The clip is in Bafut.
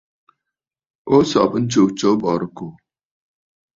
O sɔ̀bə ntsu tǒ bɔ̀rɨkòò.